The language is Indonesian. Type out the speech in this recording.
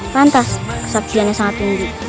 pantas kesaktiannya sangat tinggi